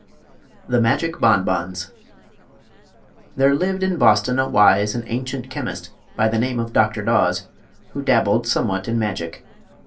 THE MAGIC BON BONS There lived in Boston a wise and ancient chemist by the name of Dr. Daws, who dabbled somewhat in magic.